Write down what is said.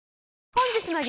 本日の激